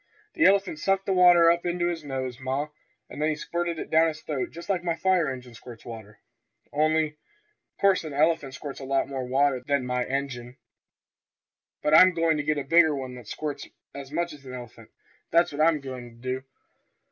"The elephant sucked the water up into his nose, ma, and then he squirted it down his throat just like my fire engine squirts water. Only, 'course an elephant squirts lots more water than my engine. But I'm goin' to get a bigger one that squirts as much as a elephant, that's what I goin' to do.